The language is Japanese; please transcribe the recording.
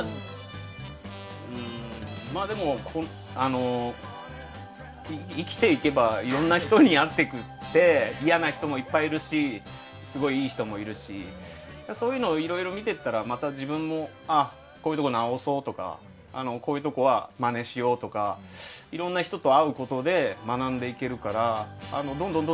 でも、生きていけばいろんな人に会って嫌な人もいっぱいいるしすごいいい人もいるしそういうのをいろいろ見ていったらまた、自分もこういうところ直そうとかこういうところはまねしようとかいろんな人と会うことで学んでいけるからどんどん。